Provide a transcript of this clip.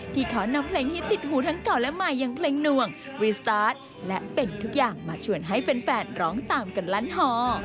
ขอนำเพลงฮิตติดหูทั้งเก่าและใหม่อย่างเพลงหน่วงรีสตาร์ทและเป็นทุกอย่างมาชวนให้แฟนร้องตามกันลั้นฮอ